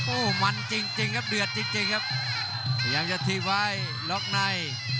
โอ้โหมันจริงจริงครับเดือดจริงจริงครับพยายามจะถีบไว้ล็อกใน